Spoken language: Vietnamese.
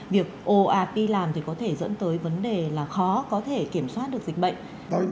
việc oap làm thì có thể dẫn tới vấn đề là khó có thể kiểm soát được dịch bệnh